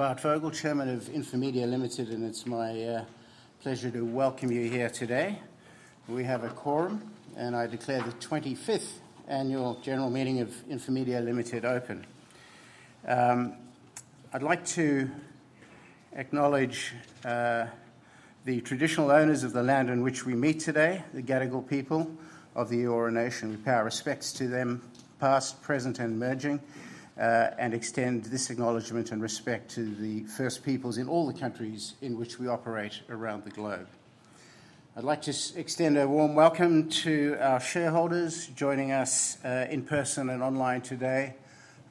Bart Vogel, Chairman of Infomedia Limited, and it's my pleasure to welcome you here today. We have a quorum, and I declare the 25th Annual General Meeting of Infomedia Limited open. I'd like to acknowledge the traditional owners of the land in which we meet today, the Gadigal people of the Eora Nation. We pay our respects to them, past, present, and emerging, and extend this acknowledgement and respect to the First Peoples in all the countries in which we operate around the globe. I'd like to extend a warm welcome to our shareholders joining us in person and online today.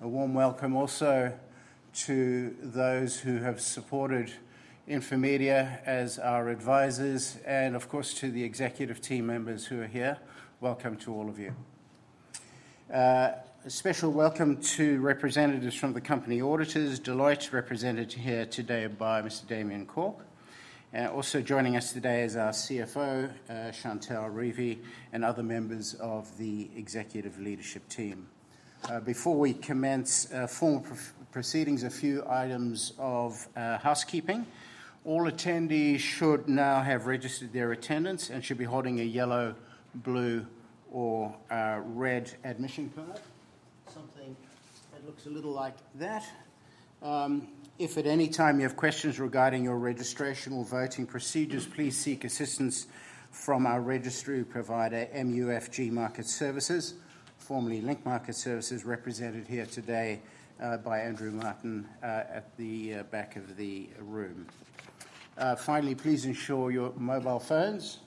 A warm welcome also to those who have supported Infomedia as our advisors, and of course, to the executive team members who are here. Welcome to all of you. A special welcome to representatives from the company auditors. Deloitte represented here today by Mr. Damien Cork. Also joining us today is our CFO, Chantell Revie, and other members of the executive leadership team. Before we commence formal proceedings, a few items of housekeeping. All attendees should now have registered their attendance and should be holding a yellow, blue, or red admission card, something that looks a little like that. If at any time you have questions regarding your registration or voting procedures, please seek assistance from our registry provider, MUFG Market Services, formerly Link Market Services, represented here today by Andrew Martin at the back of the room. Finally, please ensure your mobile phones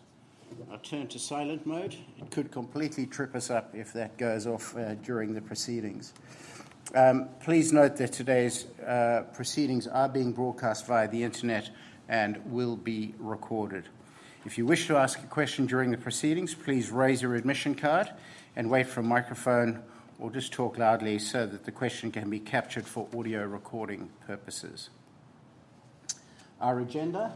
are turned to silent mode. It could completely trip us up if that goes off during the proceedings. Please note that today's proceedings are being broadcast via the internet and will be recorded. If you wish to ask a question during the proceedings, please raise your admission card and wait for a microphone, or just talk loudly so that the question can be captured for audio recording purposes. Our agenda: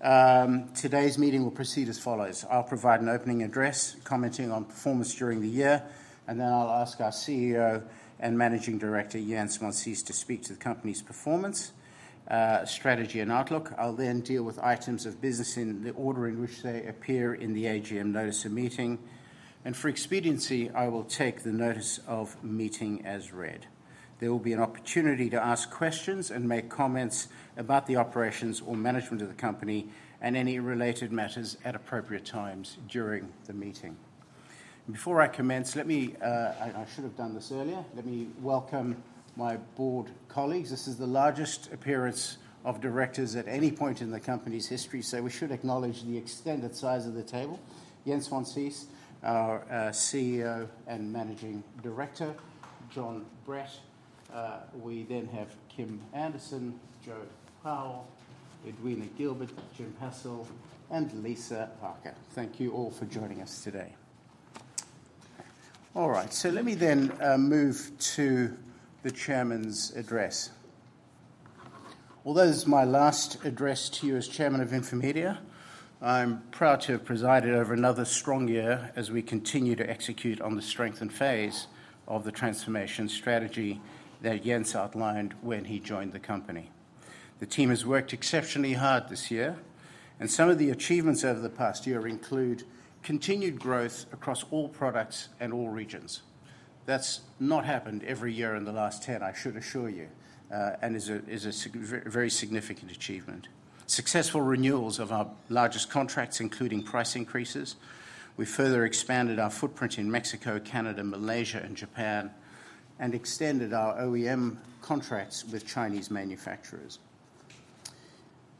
today's meeting will proceed as follows. I'll provide an opening address, commenting on performance during the year, and then I'll ask our CEO and Managing Director, Jens Monsees, to speak to the company's performance, strategy, and outlook. I'll then deal with items of business in the order in which they appear in the AGM notice of meeting, and for expediency, I will take the notice of meeting as read. There will be an opportunity to ask questions and make comments about the operations or management of the company and any related matters at appropriate times during the meeting. Before I commence, let me, I should have done this earlier, let me welcome my board colleagues. This is the largest appearance of directors at any point in the company's history, so we should acknowledge the extended size of the table. Jens Monsees, our CEO and Managing Director, Jon Brett, we then have Kim Anderson, Joe Powell, Edwina Gilbert, Jim Hassell, and Lisa Harker. Thank you all for joining us today. All right, so let me then move to the Chairman's address. Although this is my last address to you as Chairman of Infomedia, I'm proud to have presided over another strong year as we continue to execute on the strengthened phase of the transformation strategy that Jens outlined when he joined the company. The team has worked exceptionally hard this year, and some of the achievements over the past year include continued growth across all products and all regions. That's not happened every year in the last 10, I should assure you, and is a very significant achievement. Successful renewals of our largest contracts, including price increases. We further expanded our footprint in Mexico, Canada, Malaysia, and Japan, and extended our OEM contracts with Chinese manufacturers.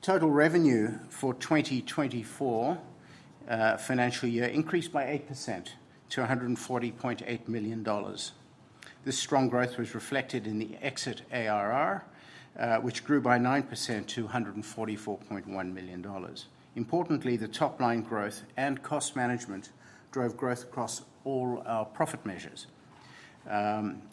Total revenue for 2024 financial year increased by 8% to 140.8 million dollars. This strong growth was reflected in the exit ARR, which grew by 9% to 144.1 million dollars. Importantly, the top-line growth and cost management drove growth across all our profit measures.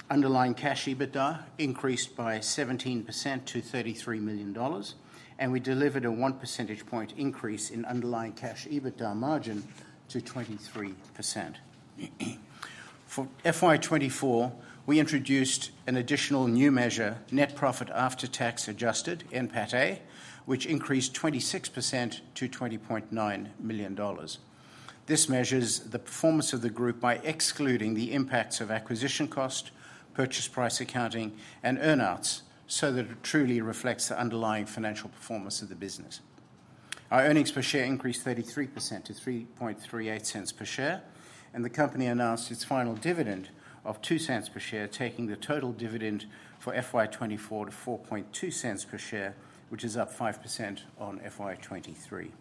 Underlying cash EBITDA increased by 17% to 33 million dollars, and we delivered a one percentage point increase in underlying cash EBITDA margin to 23%. For FY 2024, we introduced an additional new measure, net profit after tax adjusted, NPATA, which increased 26% to 20.9 million dollars. This measures the performance of the group by excluding the impacts of acquisition cost, purchase price accounting, and earnouts, so that it truly reflects the underlying financial performance of the business. Our earnings per share increased 33% to 3.38 per share, and the company announced its final dividend of 0.02 per share, taking the total dividend for FY 2024 to 0.42 per share, which is up 5% on FY 2023.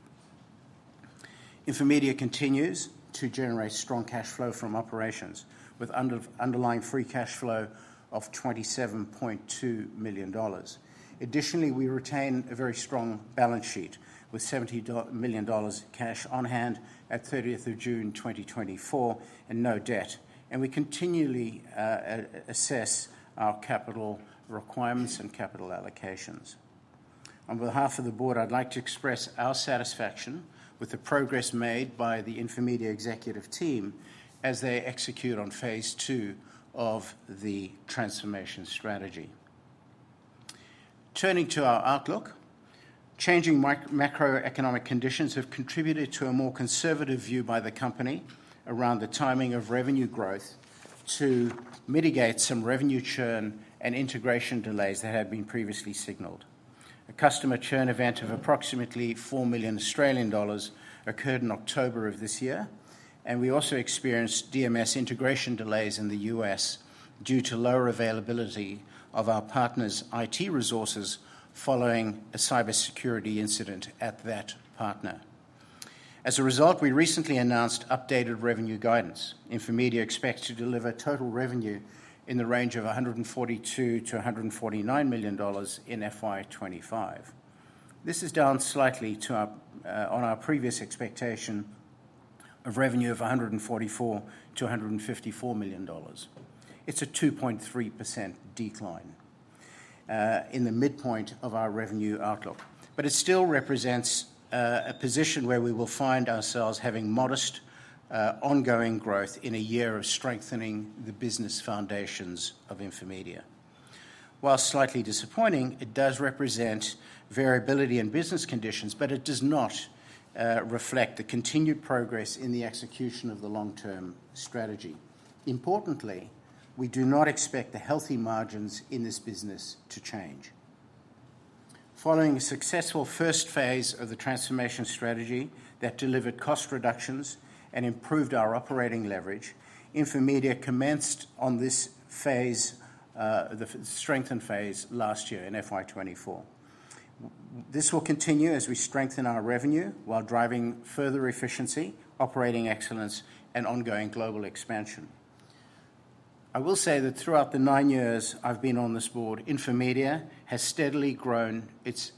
Infomedia continues to generate strong cash flow from operations, with underlying free cash flow of 27.2 million dollars. Additionally, we retain a very strong balance sheet with 70 million dollars cash on hand at 30 June 2024 and no debt, and we continually assess our capital requirements and capital allocations. On behalf of the board, I'd like to express our satisfaction with the progress made by the Infomedia executive team as they execute on phase two of the transformation strategy. Turning to our outlook, changing macroeconomic conditions have contributed to a more conservative view by the company around the timing of revenue growth to mitigate some revenue churn and integration delays that had been previously signaled. A customer churn event of approximately 4 million Australian dollars occurred in October of this year, and we also experienced DMS integration delays in the U.S. due to lower availability of our partner's IT resources following a cybersecurity incident at that partner. As a result, we recently announced updated revenue guidance. Infomedia expects to deliver total revenue in the range of 142 million-149 million dollars in FY 2025. This is down slightly on our previous expectation of revenue of 144 million-154 million dollars. It's a 2.3% decline in the midpoint of our revenue outlook, but it still represents a position where we will find ourselves having modest ongoing growth in a year of strengthening the business foundations of Infomedia. While slightly disappointing, it does represent variability in business conditions, but it does not reflect the continued progress in the execution of the long-term strategy. Importantly, we do not expect the healthy margins in this business to change. Following a successful first phase of the transformation strategy that delivered cost reductions and improved our operating leverage, Infomedia commenced on this phase, the strengthened phase, last year in FY 2024. This will continue as we strengthen our revenue while driving further efficiency, operating excellence, and ongoing global expansion. I will say that throughout the nine years I've been on this board, Infomedia has steadily grown its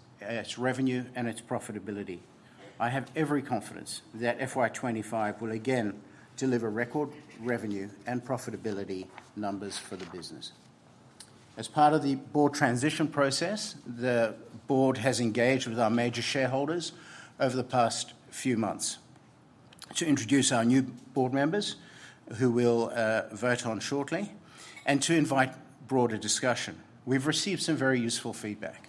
revenue and its profitability. I have every confidence that FY 2025 will again deliver record revenue and profitability numbers for the business. As part of the board transition process, the board has engaged with our major shareholders over the past few months to introduce our new board members, who we'll vote on shortly, and to invite broader discussion. We've received some very useful feedback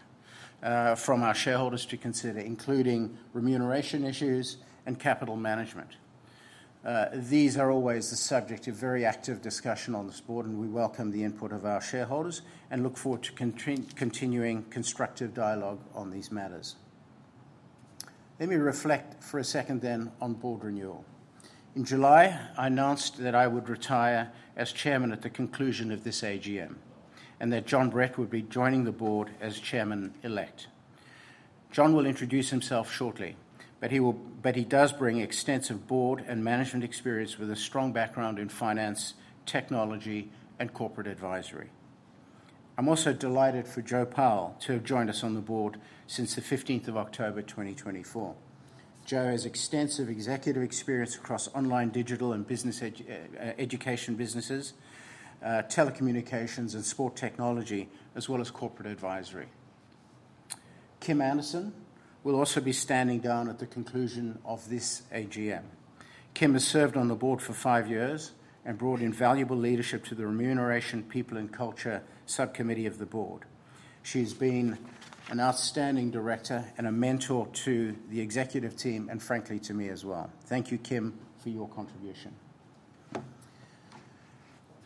from our shareholders to consider, including remuneration issues and capital management. These are always the subject of very active discussion on this board, and we welcome the input of our shareholders and look forward to continuing constructive dialogue on these matters. Let me reflect for a second then on board renewal. In July, I announced that I would retire as Chairman at the conclusion of this AGM and that Jon Brett would be joining the board as Chairman-elect. Jon will introduce himself shortly, but he does bring extensive board and management experience with a strong background in finance, technology, and corporate advisory. I'm also delighted for Joe Powell to have joined us on the board since the 15th of October 2024. Joe has extensive executive experience across online digital and business education businesses, telecommunications and sport technology, as well as corporate advisory. Kim Anderson will also be standing down at the conclusion of this AGM. Kim has served on the board for five years and brought in valuable leadership to the Remuneration, People and Culture subcommittee of the board. She has been an outstanding director and a mentor to the executive team and, frankly, to me as well. Thank you, Kim, for your contribution.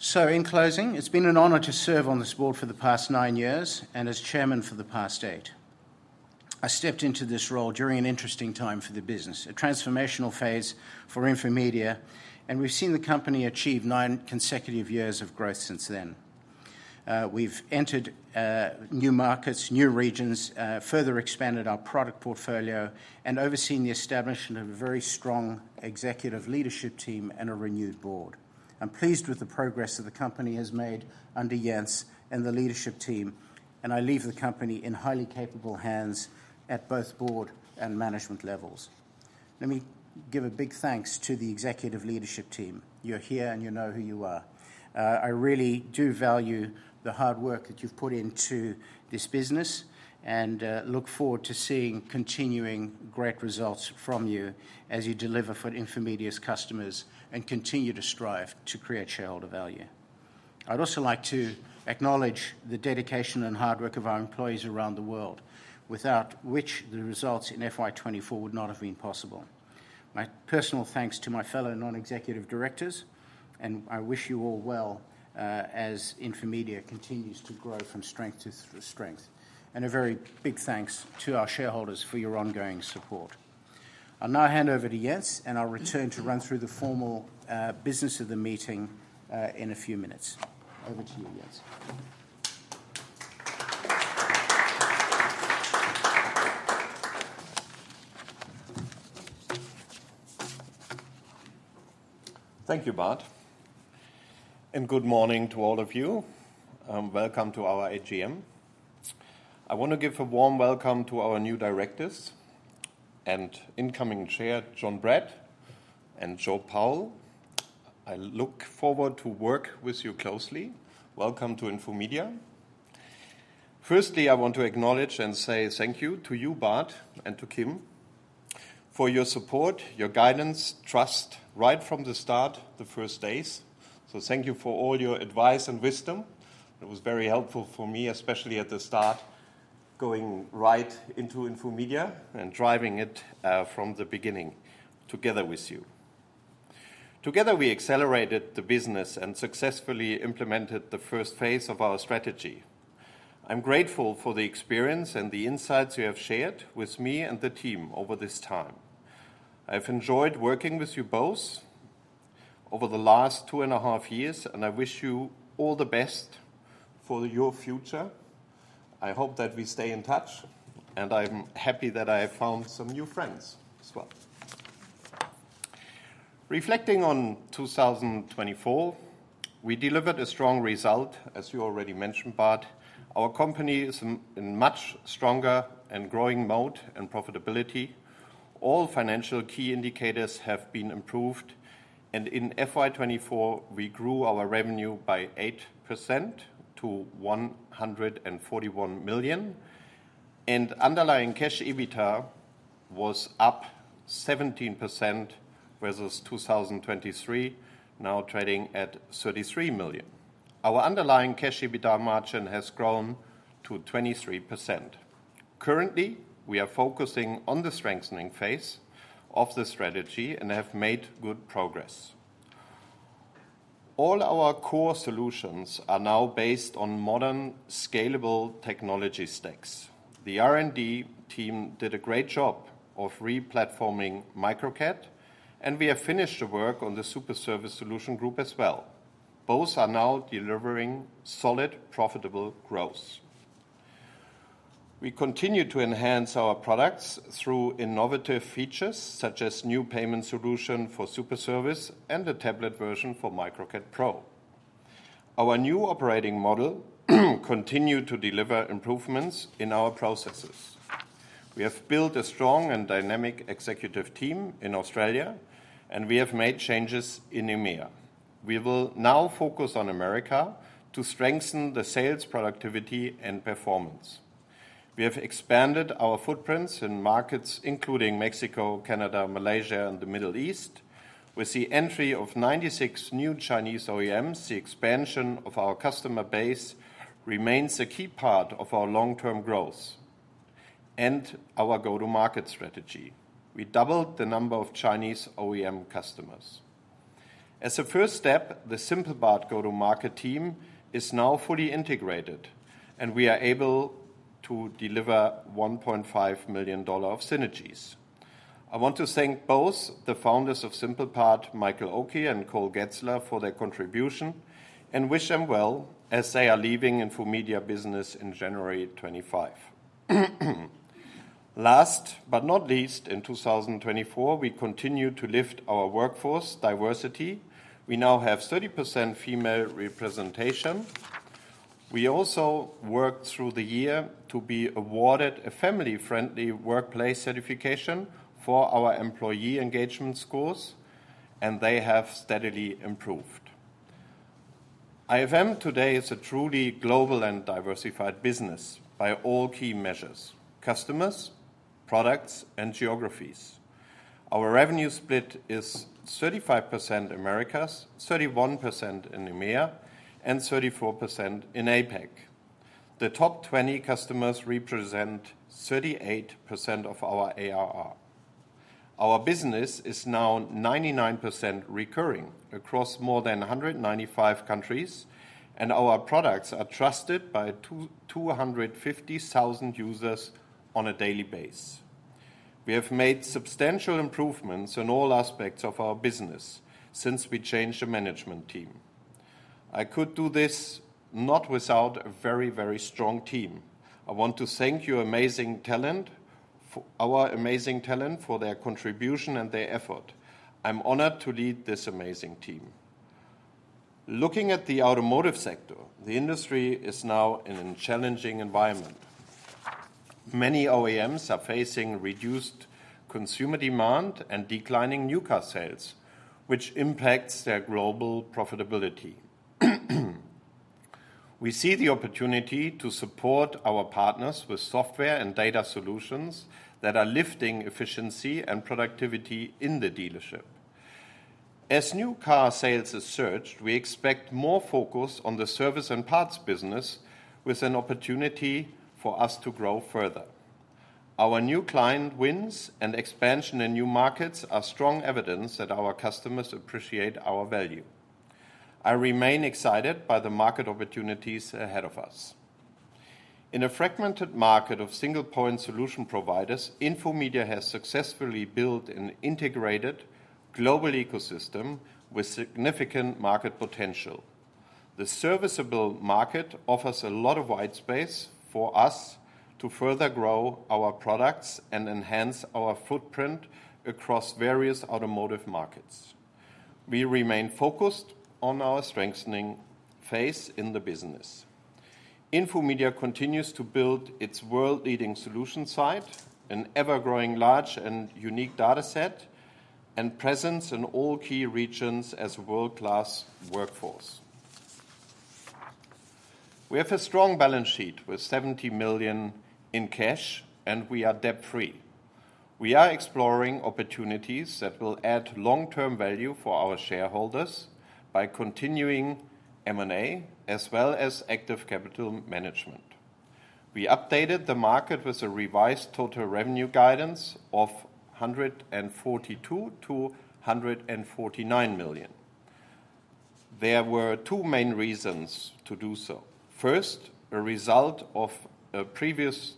So, in closing, it's been an honor to serve on this board for the past nine years and as Chairman for the past eight. I stepped into this role during an interesting time for the business, a transformational phase for Infomedia, and we've seen the company achieve nine consecutive years of growth since then. We've entered new markets, new regions, further expanded our product portfolio, and overseen the establishment of a very strong executive leadership team and a renewed board. I'm pleased with the progress that the company has made under Jens and the leadership team, and I leave the company in highly capable hands at both board and management levels. Let me give a big thanks to the executive leadership team. You're here, and you know who you are. I really do value the hard work that you've put into this business and look forward to seeing continuing great results from you as you deliver for Infomedia's customers and continue to strive to create shareholder value. I'd also like to acknowledge the dedication and hard work of our employees around the world, without which the results in FY 2024 would not have been possible. My personal thanks to my fellow non-executive directors, and I wish you all well as Infomedia continues to grow from strength to strength, and a very big thanks to our shareholders for your ongoing support. I'll now hand over to Jens, and I'll return to run through the formal business of the meeting in a few minutes. Over to you, Jens. Thank you, Bart. And good morning to all of you. Welcome to our AGM. I want to give a warm welcome to our new directors and incoming chair, Jon Brett and Joe Powell. I look forward to work with you closely. Welcome to Infomedia. Firstly, I want to acknowledge and say thank you to you, Bart, and to Kim for your support, your guidance, trust, right from the start, the first days. So thank you for all your advice and wisdom. It was very helpful for me, especially at the start, going right into Infomedia and driving it from the beginning together with you. Together, we accelerated the business and successfully implemented the first phase of our strategy. I'm grateful for the experience and the insights you have shared with me and the team over this time. I've enjoyed working with you both over the last two and a half years, and I wish you all the best for your future. I hope that we stay in touch, and I'm happy that I have found some new friends as well. Reflecting on 2024, we delivered a strong result, as you already mentioned, Bart. Our company is in much stronger and growing mode and profitability. All financial key indicators have been improved, and in FY 2024, we grew our revenue by 8% to 141 million, and underlying cash EBITDA was up 17% versus 2023, now trading at 33 million. Our underlying cash EBITDA margin has grown to 23%. Currently, we are focusing on the strengthening phase of the strategy and have made good progress. All our core solutions are now based on modern, scalable technology stacks. The R&D team did a great job of re-platforming Microcat, and we have finished the work on the Superservice Solution group as well. Both are now delivering solid, profitable growth. We continue to enhance our products through innovative features such as new payment solutions for Superservice and a tablet version for Microcat Pro. Our new operating model continues to deliver improvements in our processes. We have built a strong and dynamic executive team in Australia, and we have made changes in EMEA. We will now focus on America to strengthen the sales productivity and performance. We have expanded our footprints in markets including Mexico, Canada, Malaysia, and the Middle East. With the entry of 96 new Chinese OEMs, the expansion of our customer base remains a key part of our long-term growth and our go-to-market strategy. We doubled the number of Chinese OEM customers. As a first step, the SimplePart go-to-market team is now fully integrated, and we are able to deliver 1.5 million dollar of synergies. I want to thank both the founders of SimplePart, Michael Oki and Cole Getzler, for their contribution and wish them well as they are leaving Infomedia business in January 2025. Last but not least, in 2024, we continue to lift our workforce diversity. We now have 30% female representation. We also worked through the year to be awarded a family-friendly workplace certification for our employee engagement scores, and they have steadily improved. Infomedia today is a truly global and diversified business by all key measures: customers, products, and geographies. Our revenue split is 35% Americas, 31% in EMEA, and 34% in APAC. The top 20 customers represent 38% of our ARR. Our business is now 99% recurring across more than 195 countries, and our products are trusted by 250,000 users on a daily basis. We have made substantial improvements in all aspects of our business since we changed the management team. I could do this not without a very, very strong team. I want to thank your amazing talent, our amazing talent, for their contribution and their effort. I'm honored to lead this amazing team. Looking at the automotive sector, the industry is now in a challenging environment. Many OEMs are facing reduced consumer demand and declining new car sales, which impacts their global profitability. We see the opportunity to support our partners with software and data solutions that are lifting efficiency and productivity in the dealership. As new car sales are surged, we expect more focus on the service and parts business, with an opportunity for us to grow further. Our new client wins and expansion in new markets are strong evidence that our customers appreciate our value. I remain excited by the market opportunities ahead of us. In a fragmented market of single-point solution providers, Infomedia has successfully built an integrated global ecosystem with significant market potential. The serviceable market offers a lot of white space for us to further grow our products and enhance our footprint across various automotive markets. We remain focused on our strengthening phase in the business. Infomedia continues to build its world-leading solution site, an ever-growing large and unique data set, and presence in all key regions as a world-class workforce. We have a strong balance sheet with 70 million in cash, and we are debt-free. We are exploring opportunities that will add long-term value for our shareholders by continuing M&A as well as active capital management. We updated the market with a revised total revenue guidance of 142 million-149 million. There were two main reasons to do so. First, a result of a previous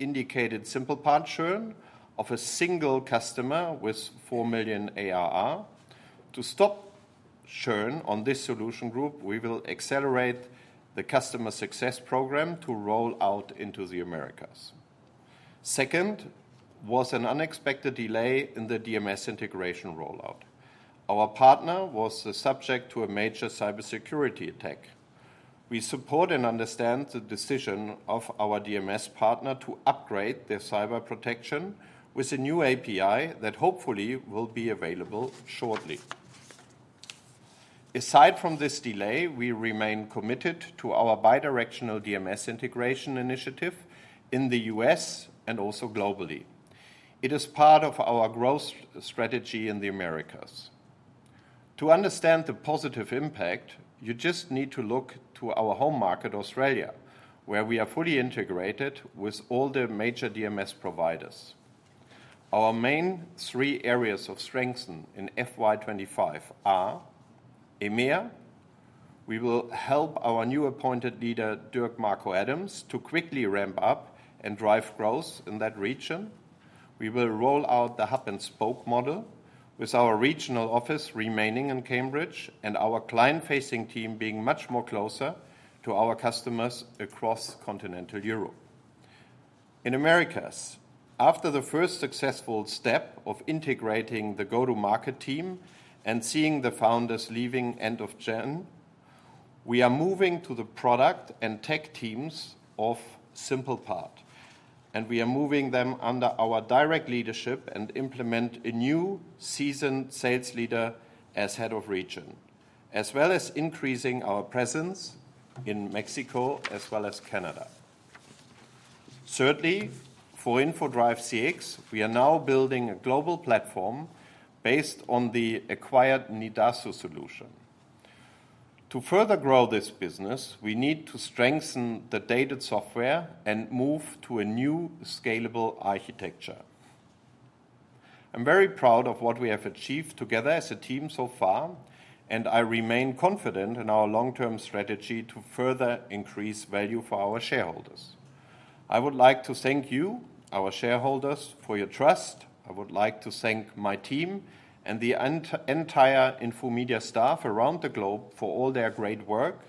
indicated SimplePart churn of a single customer with 4 million ARR. To stop churn on this solution group, we will accelerate the customer success program to roll out into the Americas. Second was an unexpected delay in the DMS integration rollout. Our partner was subject to a major cybersecurity attack. We support and understand the decision of our DMS partner to upgrade their cyber protection with a new API that hopefully will be available shortly. Aside from this delay, we remain committed to our bidirectional DMS integration initiative in the U.S. and also globally. It is part of our growth strategy in the Americas. To understand the positive impact, you just need to look to our home market, Australia, where we are fully integrated with all the major DMS providers. Our main three areas of strength in FY 2025 are EMEA. We will help our new appointed leader, Dirk-Marco Adams, to quickly ramp up and drive growth in that region. We will roll out the hub-and-spoke model with our regional office remaining in Cambridge and our client-facing team being much more closer to our customers across continental Europe. In Americas, after the first successful step of integrating the go-to-market team and seeing the founders leaving end of June, we are moving to the product and tech teams of SimplePart, and we are moving them under our direct leadership and implement a new seasoned sales leader as head of region, as well as increasing our presence in Mexico as well as Canada. Thirdly, for Infodrive CX, we are now building a global platform based on the acquired Nidasu solution. To further grow this business, we need to strengthen the data software and move to a new scalable architecture. I'm very proud of what we have achieved together as a team so far, and I remain confident in our long-term strategy to further increase value for our shareholders. I would like to thank you, our shareholders, for your trust. I would like to thank my team and the entire Infomedia staff around the globe for all their great work.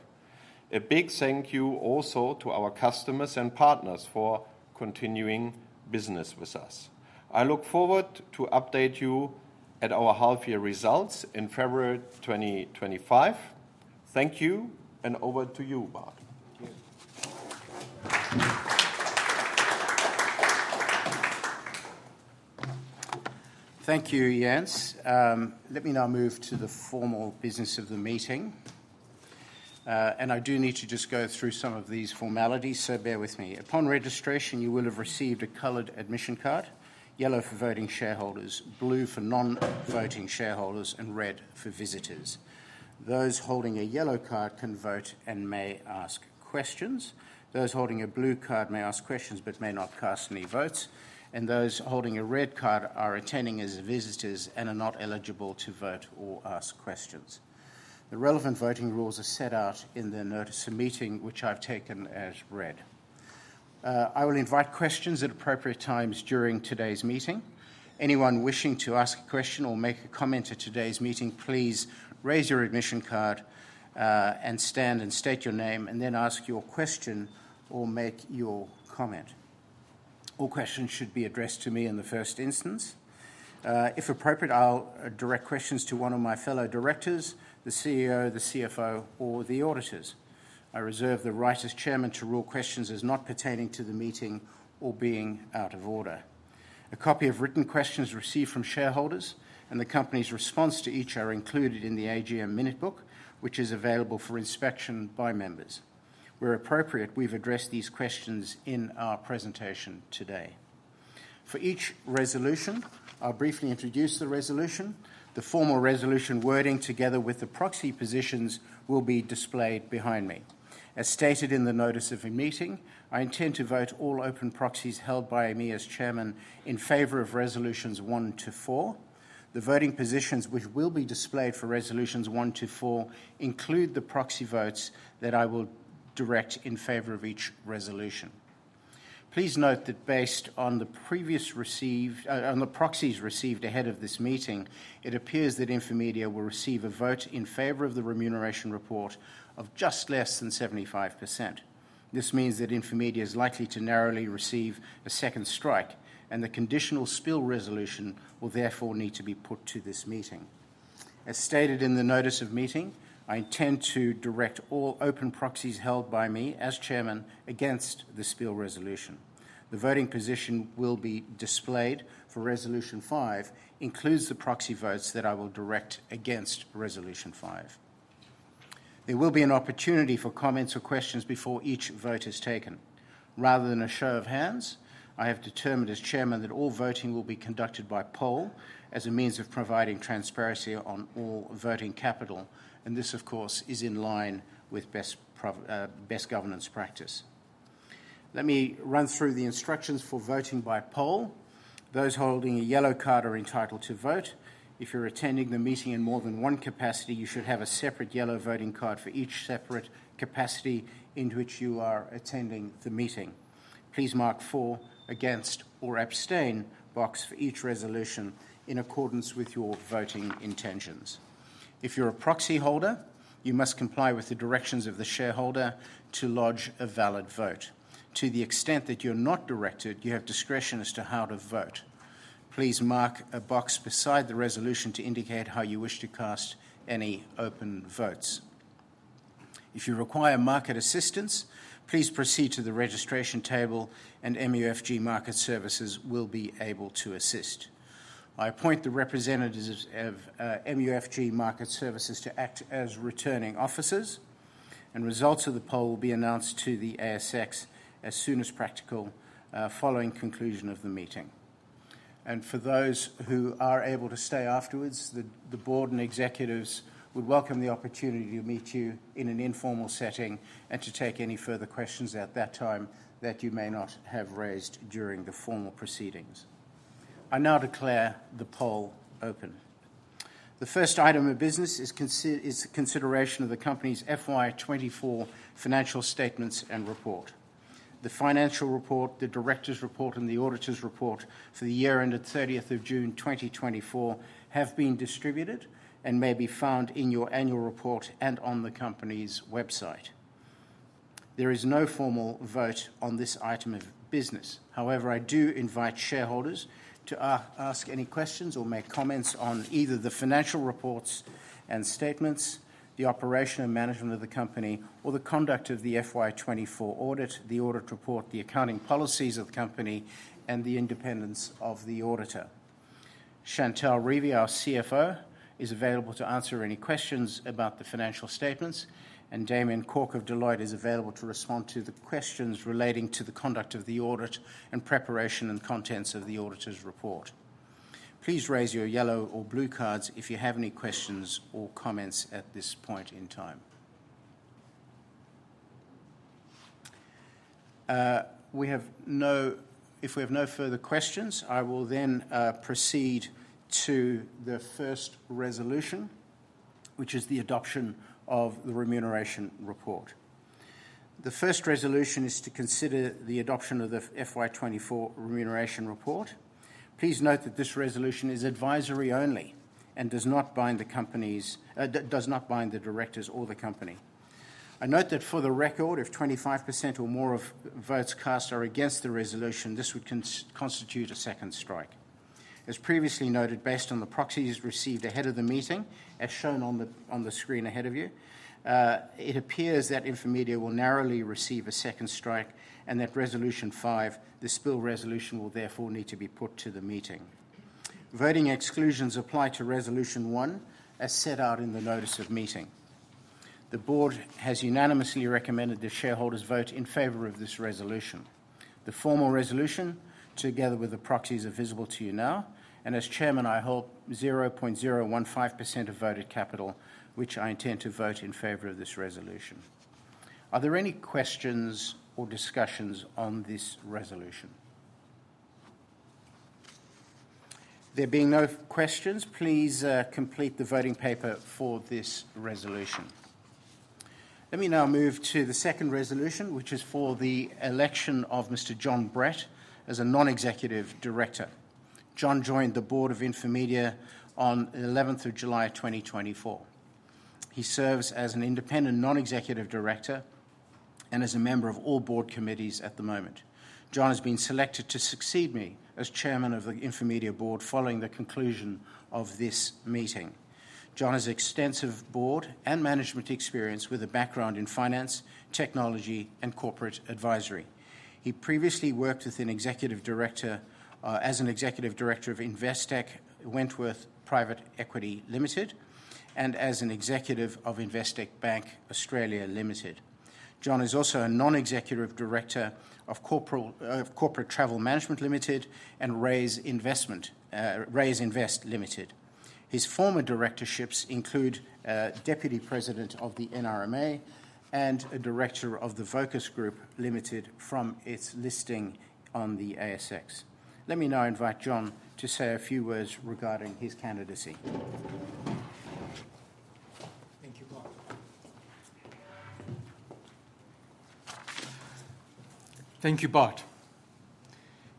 A big thank you also to our customers and partners for continuing business with us. I look forward to updating you at our half-year results in February 2025. Thank you, and over to you, Bart. Thank you, Jens. Let me now move to the formal business of the meeting, and I do need to just go through some of these formalities, so bear with me. Upon registration, you will have received a colored admission card: yellow for voting shareholders, blue for non-voting shareholders, and red for visitors. Those holding a yellow card can vote and may ask questions. Those holding a blue card may ask questions but may not cast any votes, and those holding a red card are attending as visitors and are not eligible to vote or ask questions. The relevant voting rules are set out in the notice of meeting, which I've taken as read. I will invite questions at appropriate times during today's meeting. Anyone wishing to ask a question or make a comment at today's meeting, please raise your admission card, stand, and state your name, and then ask your question or make your comment. All questions should be addressed to me in the first instance. If appropriate, I'll direct questions to one of my fellow directors, the CEO, the CFO, or the auditors. I reserve the right as Chairman to rule questions as not pertaining to the meeting or being out of order. A copy of written questions received from shareholders and the company's response to each are included in the AGM minute book, which is available for inspection by members. Where appropriate, we've addressed these questions in our presentation today. For each resolution, I'll briefly introduce the resolution. The formal resolution wording together with the proxy positions will be displayed behind me. As stated in the notice of meeting, I intend to vote all open proxies held by EMEA as chairman in favor of resolutions one to four. The voting positions which will be displayed for resolutions one to four include the proxy votes that I will direct in favor of each resolution. Please note that, based on the proxies received ahead of this meeting, it appears that Infomedia will receive a vote in favor of the remuneration report of just less than 75%. This means that Infomedia is likely to narrowly receive a second strike, and the conditional spill resolution will therefore need to be put to this meeting. As stated in the notice of meeting, I intend to direct all open proxies held by me as chairman against the spill resolution. The voting position will be displayed for resolution five, includes the proxy votes that I will direct against resolution five. There will be an opportunity for comments or questions before each vote is taken. Rather than a show of hands, I have determined as chairman that all voting will be conducted by poll as a means of providing transparency on all voting capital, and this, of course, is in line with best governance practice. Let me run through the instructions for voting by poll. Those holding a yellow card are entitled to vote. If you're attending the meeting in more than one capacity, you should have a separate yellow voting card for each separate capacity into which you are attending the meeting. Please mark for, against, or abstain box for each resolution in accordance with your voting intentions. If you're a proxy holder, you must comply with the directions of the shareholder to lodge a valid vote. To the extent that you're not directed, you have discretion as to how to vote. Please mark a box beside the resolution to indicate how you wish to cast any open votes. If you require market assistance, please proceed to the registration table, and MUFG Market Services will be able to assist. I appoint the representatives of MUFG Market Services to act as returning officers, and the results of the poll will be announced to the ASX as soon as practical following conclusion of the meeting. And for those who are able to stay afterwards, the board and executives would welcome the opportunity to meet you in an informal setting and to take any further questions at that time that you may not have raised during the formal proceedings. I now declare the poll open. The first item of business is consideration of the company's FY 2024 financial statements and report. The financial report, the director's report, and the auditor's report for the year ended 30th of June 2024 have been distributed and may be found in your annual report and on the company's website. There is no formal vote on this item of business. However, I do invite shareholders to ask any questions or make comments on either the financial reports and statements, the operation and management of the company, or the conduct of the FY 2024 audit, the audit report, the accounting policies of the company, and the independence of the auditor. Chantell Revie, our CFO, is available to answer any questions about the financial statements, and Damien Cork of Deloitte is available to respond to the questions relating to the conduct of the audit and preparation and contents of the auditor's report. Please raise your yellow or blue cards if you have any questions or comments at this point in time. If we have no further questions, I will then proceed to the first resolution, which is the adoption of the remuneration report. The first resolution is to consider the adoption of the FY 2024 remuneration report. Please note that this resolution is advisory only and does not bind the directors or the company. I note that for the record, if 25% or more of votes cast are against the resolution, this would constitute a second strike. As previously noted, based on the proxies received ahead of the meeting, as shown on the screen ahead of you, it appears that Infomedia will narrowly receive a second strike and that resolution five, the spill resolution, will therefore need to be put to the meeting. Voting exclusions apply to resolution one as set out in the notice of meeting. The board has unanimously recommended the shareholders vote in favor of this resolution. The formal resolution, together with the proxies, are visible to you now, and as chairman, I hold 0.015% of voted capital, which I intend to vote in favor of this resolution. Are there any questions or discussions on this resolution? There being no questions, please complete the voting paper for this resolution. Let me now move to the second resolution, which is for the election of Mr. Jon Brett as a non-executive director. Jon joined the board of Infomedia on 11th of July 2024. He serves as an independent non-executive director and as a member of all board committees at the moment. Jon has been selected to succeed me as chairman of the Infomedia board following the conclusion of this meeting. Jon has extensive board and management experience with a background in finance, technology, and corporate advisory. He previously worked as an executive director of Investec Wentworth Private Equity Limited and as an executive of Investec Bank Australia Limited. Jon is also a non-executive director of Corporate Travel Management Limited and Raiz Invest Limited. His former directorships include deputy president of the NRMA and a director of the Vocus Group Limited from its listing on the ASX. Let me now invite Jon to say a few words regarding his candidacy. Thank you, Bart.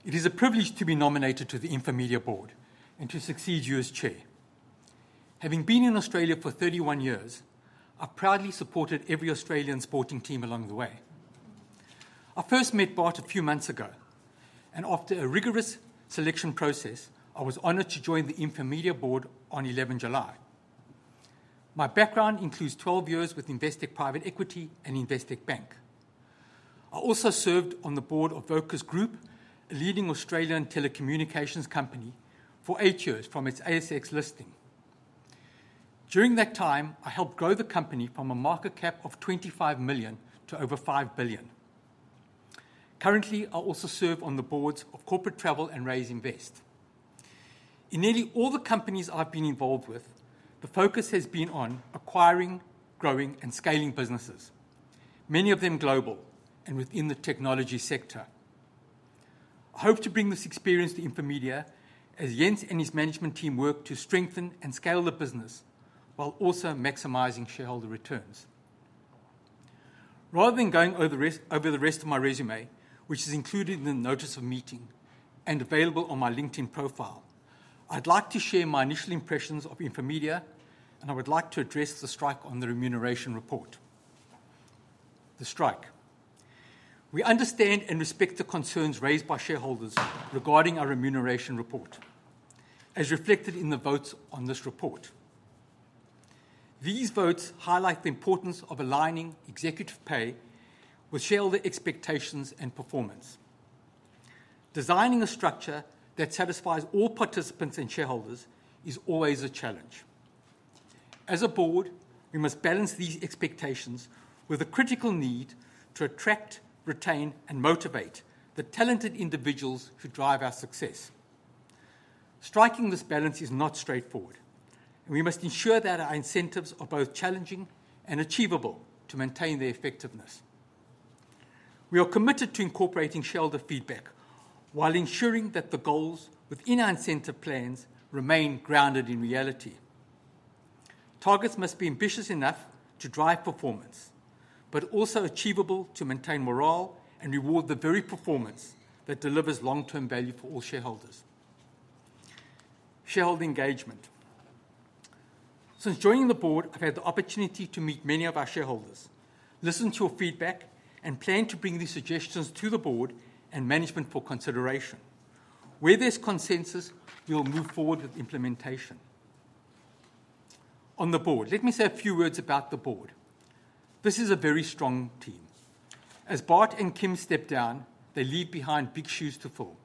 It is a privilege to be nominated to the Infomedia board and to succeed you as chair. Having been in Australia for 31 years, I've proudly supported every Australian sporting team along the way. I first met Bart a few months ago, and after a rigorous selection process, I was honored to join the Infomedia board on 11 July. My background includes 12 years with Investec Private Equity and Investec Bank. I also served on the board of Vocus Group, a leading Australian telecommunications company, for eight years from its ASX listing. During that time, I helped grow the company from a market cap of 25 million to over 5 billion. Currently, I also serve on the boards of Corporate Travel and Raiz Invest. In nearly all the companies I've been involved with, the focus has been on acquiring, growing, and scaling businesses, many of them global and within the technology sector. I hope to bring this experience to Infomedia as Jens and his management team work to strengthen and scale the business while also maximizing shareholder returns. Rather than going over the rest of my resume, which is included in the notice of meeting and available on my LinkedIn profile, I'd like to share my initial impressions of Infomedia, and I would like to address the strike on the remuneration report. The strike. We understand and respect the concerns raised by shareholders regarding our remuneration report, as reflected in the votes on this report. These votes highlight the importance of aligning executive pay with shareholder expectations and performance. Designing a structure that satisfies all participants and shareholders is always a challenge. As a board, we must balance these expectations with a critical need to attract, retain, and motivate the talented individuals who drive our success. Striking this balance is not straightforward, and we must ensure that our incentives are both challenging and achievable to maintain their effectiveness. We are committed to incorporating shareholder feedback while ensuring that the goals within our incentive plans remain grounded in reality. Targets must be ambitious enough to drive performance, but also achievable to maintain morale and reward the very performance that delivers long-term value for all shareholders. Shareholder engagement. Since joining the board, I've had the opportunity to meet many of our shareholders, listen to your feedback, and plan to bring these suggestions to the board and management for consideration. Where there's consensus, we'll move forward with implementation. On the board, let me say a few words about the board. This is a very strong team. As Bart and Kim step down, they leave behind big shoes to fill.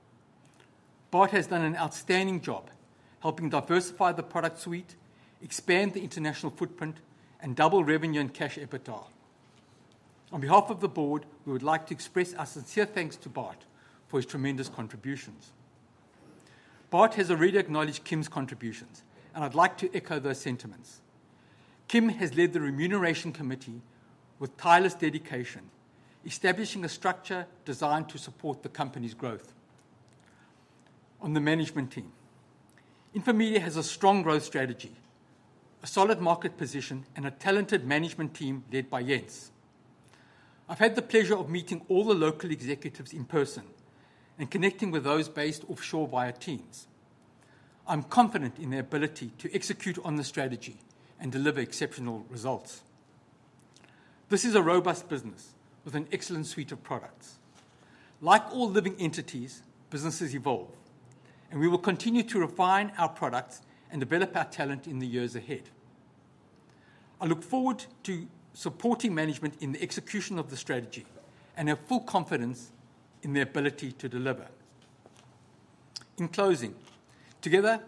Bart has done an outstanding job helping diversify the product suite, expand the international footprint, and double revenue and cash flow. On behalf of the board, we would like to express our sincere thanks to Bart for his tremendous contributions. Bart has already acknowledged Kim's contributions, and I'd like to echo those sentiments. Kim has led the remuneration committee with tireless dedication, establishing a structure designed to support the company's growth. On the management team, Infomedia has a strong growth strategy, a solid market position, and a talented management team led by Jens. I've had the pleasure of meeting all the local executives in person and connecting with those based offshore via Teams. I'm confident in their ability to execute on the strategy and deliver exceptional results. This is a robust business with an excellent suite of products. Like all living entities, businesses evolve, and we will continue to refine our products and develop our talent in the years ahead. I look forward to supporting management in the execution of the strategy and have full confidence in their ability to deliver. In closing, together,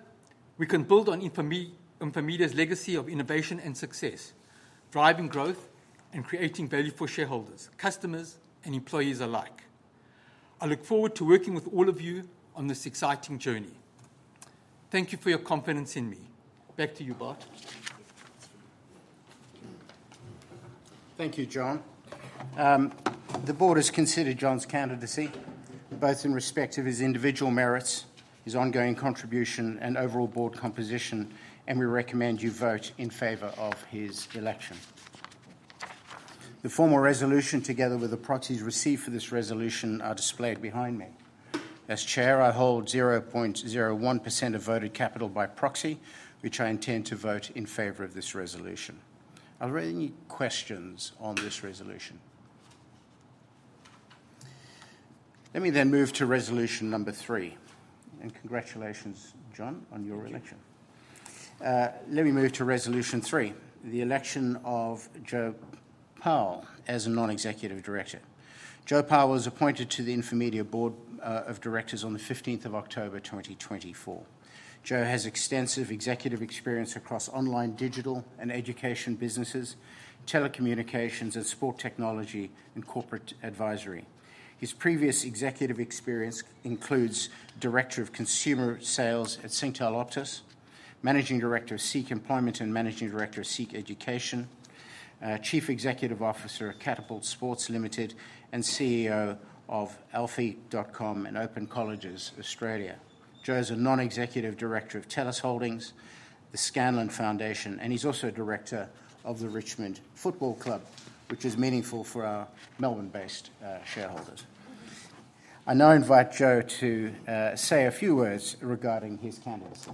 we can build on Infomedia's legacy of innovation and success, driving growth and creating value for shareholders, customers, and employees alike. I look forward to working with all of you on this exciting journey. Thank you for your confidence in me. Back to you, Bart. Thank you, Jon. The board has considered Jon's candidacy, both in respect of his individual merits, his ongoing contribution, and overall board composition, and we recommend you vote in favor of his election. The formal resolution, together with the proxies received for this resolution, are displayed behind me. As chair, I hold 0.01% of voted capital by proxy, which I intend to vote in favor of this resolution. Are there any questions on this resolution? Let me then move to resolution number three, and congratulations, Jon, on your election. Let me move to resolution three, the election of Joe Powell as a non-executive director. Joe Powell was appointed to the Infomedia board of directors on the 15th of October 2024. Joe has extensive executive experience across online digital and education businesses, telecommunications and sport technology, and corporate advisory. His previous executive experience includes director of consumer sales at Singtel Optus, Managing Director of SEEK Employment, and Managing Director of SEEK Education, Chief Executive Officer of Catapult Sports Limited, and CEO of Alffie and Open Colleges Australia. Joe is a non-executive director of Tellus Holdings, the Scanlon Foundation, and he's also director of the Richmond Football Club, which is meaningful for our Melbourne-based shareholders. I now invite Joe to say a few words regarding his candidacy.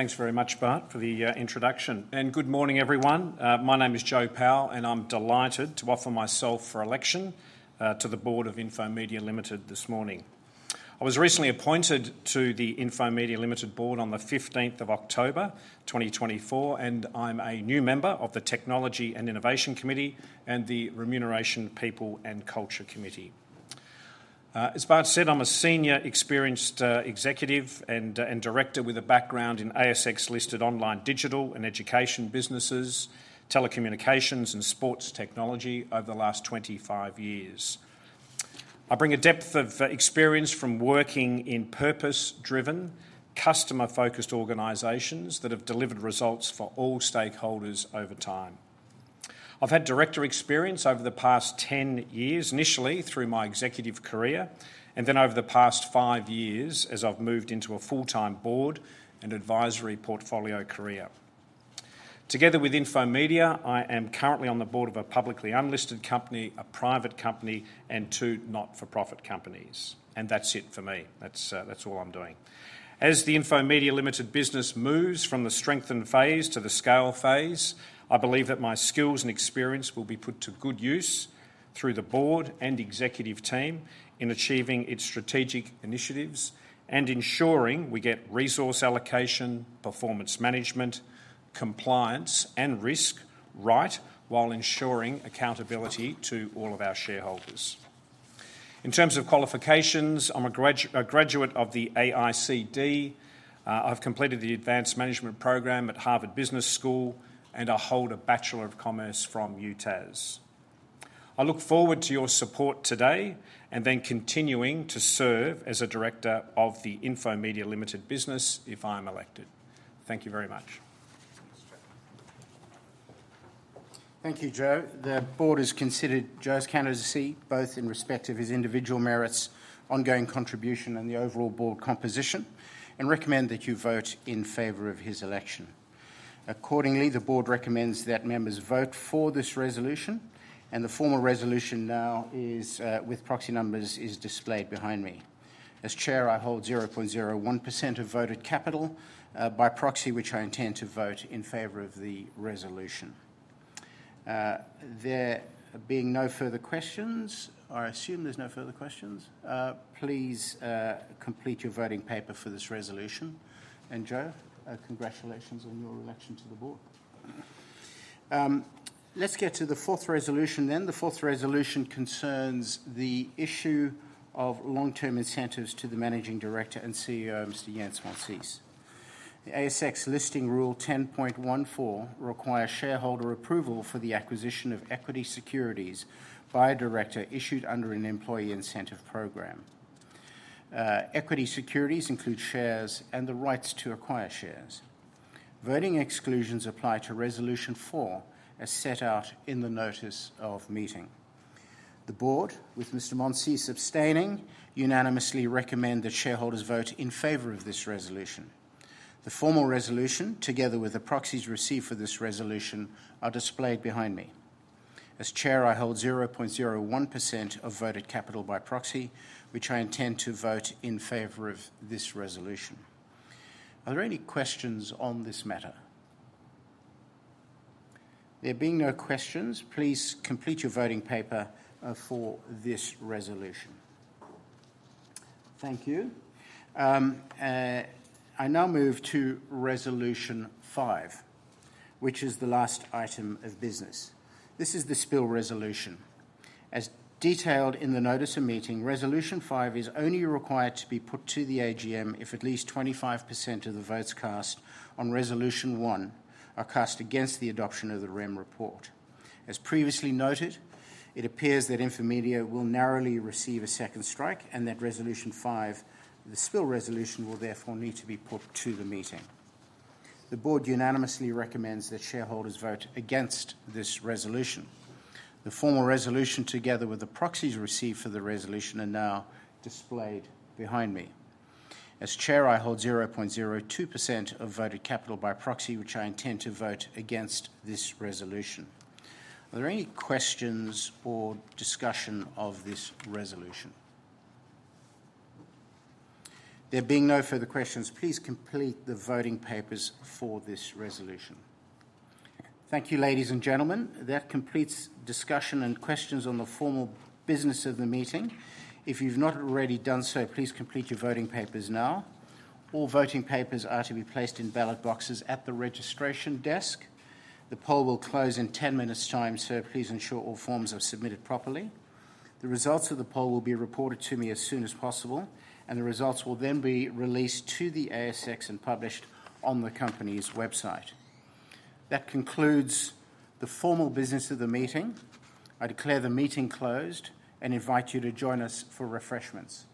Thanks very much, Bart, for the introduction. And good morning, everyone. My name is Joe Powell, and I'm delighted to offer myself for election to the board of Infomedia Limited this morning. I was recently appointed to the Infomedia Limited board on the 15th of October 2024, and I'm a new member of the Technology and Innovation Committee and the Remuneration, People,, and Culture Committee. As Bart said, I'm a senior experienced executive and director with a background in ASX-listed online digital and education businesses, telecommunications, and sports technology over the last 25 years. I bring a depth of experience from working in purpose-driven, customer-focused organizations that have delivered results for all stakeholders over time. I've had director experience over the past 10 years, initially through my executive career, and then over the past five years as I've moved into a full-time board and advisory portfolio career. Together with Infomedia, I am currently on the board of a publicly unlisted company, a private company, and two not-for-profit companies. And that's it for me. That's all I'm doing. As the Infomedia Limited business moves from the strengthened phase to the scale phase, I believe that my skills and experience will be put to good use through the board and executive team in achieving its strategic initiatives and ensuring we get resource allocation, performance management, compliance, and risk right while ensuring accountability to all of our shareholders. In terms of qualifications, I'm a graduate of the AICD. I've completed the advanced management program at Harvard Business School, and I hold a Bachelor of Commerce from UTAS. I look forward to your support today and then continuing to serve as a director of the Infomedia Limited business if I'm elected. Thank you very much. Thank you, Joe. The board has considered Joe's candidacy both in respect of his individual merits, ongoing contribution, and the overall board composition, and recommend that you vote in favor of his election. Accordingly, the board recommends that members vote for this resolution, and the formal resolution now is with proxy numbers is displayed behind me. As chair, I hold 0.01% of voted capital by proxy, which I intend to vote in favor of the resolution. There being no further questions, I assume there's no further questions. Please complete your voting paper for this resolution. Joe, congratulations on your election to the board. Let's get to the fourth resolution then. The fourth resolution concerns the issue of long-term incentives to the managing director and CEO, Mr. Jens Monsees. The ASX listing rule 10.14 requires shareholder approval for the acquisition of equity securities by a director issued under an employee incentive program. Equity securities include shares and the rights to acquire shares. Voting exclusions apply to resolution four as set out in the notice of meeting. The board, with Mr. Monsees abstaining, unanimously recommend that shareholders vote in favour of this resolution. The formal resolution, together with the proxies received for this resolution, are displayed behind me. As chair, I hold 0.01% of voted capital by proxy, which I intend to vote in favour of this resolution. Are there any questions on this matter? There being no questions, please complete your voting paper for this resolution. Thank you. I now move to resolution five, which is the last item of business. This is the spill resolution. As detailed in the notice of meeting, resolution five is only required to be put to the AGM if at least 25% of the votes cast on resolution one are cast against the adoption of the remuneration report. As previously noted, it appears that Infomedia will narrowly receive a second strike and that resolution five, the spill resolution, will therefore need to be put to the meeting. The board unanimously recommends that shareholders vote against this resolution. The formal resolution, together with the proxies received for the resolution, are now displayed behind me. As chair, I hold 0.02% of voted capital by proxy, which I intend to vote against this resolution. Are there any questions or discussion of this resolution? There being no further questions, please complete the voting papers for this resolution. Thank you, ladies and gentlemen. That completes discussion and questions on the formal business of the meeting. If you've not already done so, please complete your voting papers now. All voting papers are to be placed in ballot boxes at the registration desk. The poll will close in 10 minutes' time, so please ensure all forms are submitted properly. The results of the poll will be reported to me as soon as possible, and the results will then be released to the ASX and published on the company's website. That concludes the formal business of the meeting. I declare the meeting closed and invite you to join us for refreshments.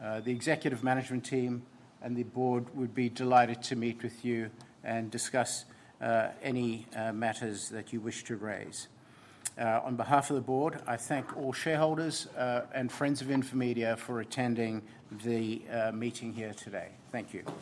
The executive management team and the board would be delighted to meet with you and discuss any matters that you wish to raise. On behalf of the board, I thank all shareholders and friends of Infomedia for attending the meeting here today. Thank you.